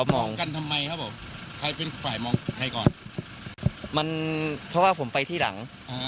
มันเขาว่าผมไปที่หลัง